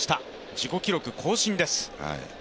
自己記録更新です。